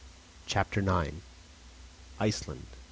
CHAPTER IX. ICELAND!